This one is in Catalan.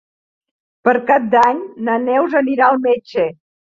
Per Cap d'Any na Neus anirà al metge.